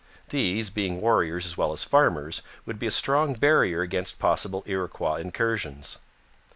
These, being warriors as well as farmers, would be a strong barrier against possible Iroquois incursions.